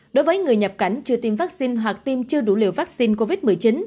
đối với người nhập cảnh chưa tiêm vắc xin hoặc tiêm chưa đủ liều vắc xin covid một mươi chín